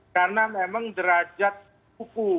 karena memang derajat sekufu